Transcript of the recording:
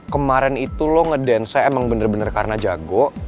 kemarin itu lo ngedance nya emang bener bener karena jago